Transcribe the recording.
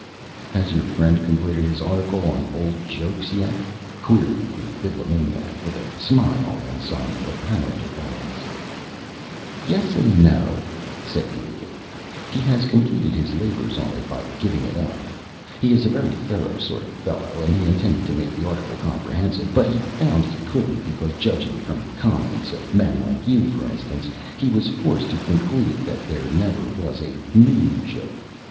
"Has your friend completed his article on old jokes yet?" queried the Bibliomaniac, with a smile and some apparent irrelevance. [Illustration: "HAS YOUR FRIEND COMPLETED HIS ARTICLE ON OLD JOKES?"] "Yes and no," said the Idiot. "He has completed his labors on it by giving it up. He is a very thorough sort of a fellow, and he intended to make the article comprehensive, but he found he couldn't, because, judging from comments of men like you, for instance, he was forced to conclude that there never was a new joke.